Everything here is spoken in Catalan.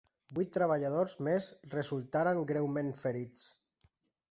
Vuit treballadors més resultaren greument ferits.